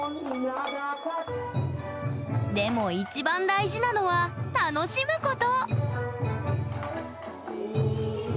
でも一番大事なのは楽しむこと！